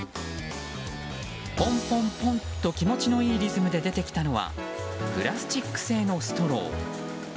ポンポンポンっと気持ちのいいリズムで出てきたのはプラスチック製のストロー。